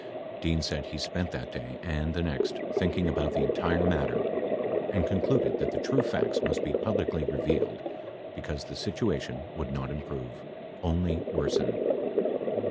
67 Dean said lie spent that day and the next think ing about the entire matter and concluded that the true facts must be publicly revealed because the situation would not improve, only worsen.